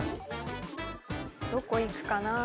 どこ行くかな？